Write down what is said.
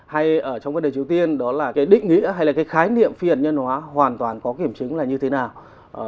hay ở trong vấn đề triều tiên đó là cái định nghĩa hay là cái khái niệm phiền nhân hóa hoàn toàn có kiểm chứng là như thế nào